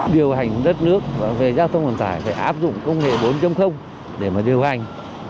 điều hành đất nước về giao thông vận tải phải áp dụng công nghệ bốn để mà điều hành